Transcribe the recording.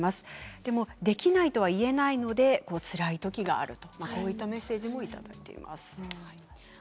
でもできないと言えないのでつらいときもありますというメッセージも届いています。